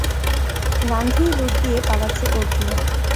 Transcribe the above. Gandhi road দিয়ে পালাচ্ছে অর্জুন।